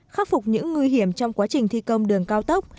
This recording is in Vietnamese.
khắc phục những nguy hiểm trong quá trình thi công đường cao tốc